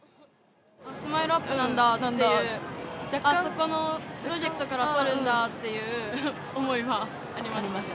スマイルアップなんだっていう、あそこのプロジェクトからとるんだっていう思いはありました。